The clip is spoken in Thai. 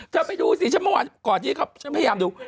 เธอไปดูสิฉันเมื่อก่อนที่เขาพยายามดู